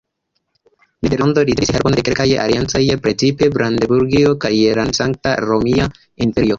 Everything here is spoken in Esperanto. Nederlando ricevis helpon de kelkaj aliancanoj, precipe Brandenburgio kaj la Sankta Romia imperio.